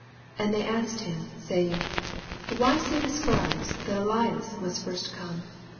11 And they asked him, saying, Why say the Scribes that Elias mus* first coine